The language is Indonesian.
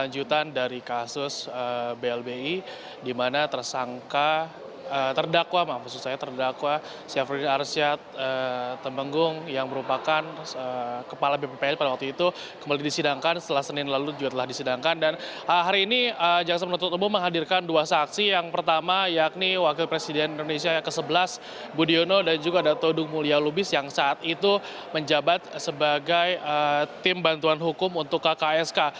jaksa penuntut umum menghadirkan dua saksi yang pertama yakni wakil presiden indonesia yang ke sebelas budiono dan juga ada todung mulia lubis yang saat itu menjabat sebagai tim bantuan hukum untuk kksk